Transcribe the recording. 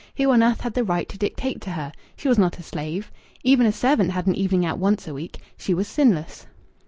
Who on earth had the right to dictate to her? She was not a slave. Even a servant had an evening out once a week. She was sinless....